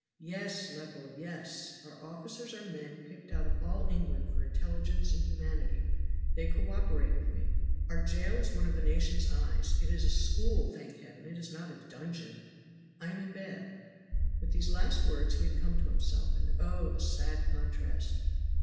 "Yes, Lepel, yes! Our officers are men picked out of all England for intelligence and humanity. They co operate with me. Our jail is one of the nation's eyes it is a school, thank Heaven, it is not a dungeon! I am in bed!" With these last words he had come to himself, and oh, the sad contrast!